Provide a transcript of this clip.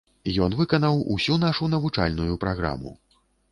Ён выканаў усю нашу навучальную праграму.